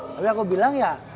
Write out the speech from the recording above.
tapi aku bilang ya